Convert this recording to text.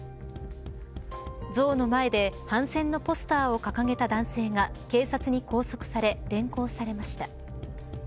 像の前で反戦のポスターを掲げた男性が警察に拘束され連行されました。